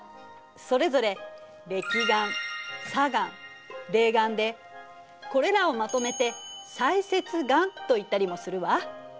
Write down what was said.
それぞれれき岩砂岩泥岩でこれらをまとめて砕屑岩といったりもするわ。